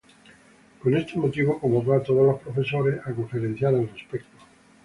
Con este motivo, convocó a todos los profesores a conferenciar al respecto.